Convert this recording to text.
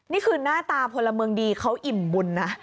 นี่คือหน้าตาพลเมืองดีเขาอิ่มบุญนะ